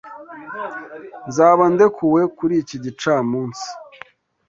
Nzaba ndekuwe kuri iki gicamunsi.